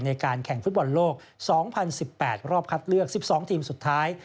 ในการแข่งฟุตบอลโลก๒๐๑๘รอบคัดเลือก๑๒ทีมสุดท้าย